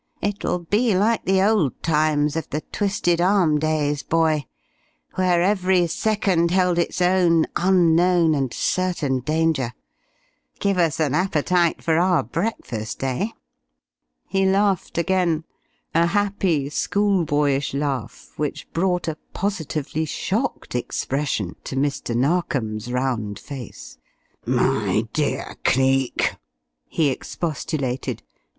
It'll be like the old times of the 'Twisted Arm' days, boy, where every second held its own unknown and certain danger. Give us an appetite for our breakfast, eh?" He laughed again, a happy, schoolboyish laugh which brought a positively shocked expression to Mr. Narkom's round face. "My dear Cleek!" he expostulated.